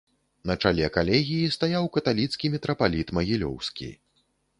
На чале калегіі стаяў каталіцкі мітрапаліт магілёўскі.